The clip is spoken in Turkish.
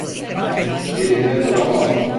Yerimde duramam!